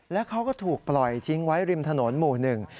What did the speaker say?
แล้วเขาก็ถูกปล่อยทิ้งไว้ริมถนนหมู่หนึ่ง